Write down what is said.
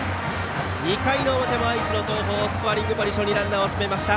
２回の表の愛知の東邦スコアリングポジションにランナーを進めました。